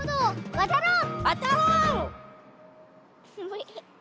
わたろう！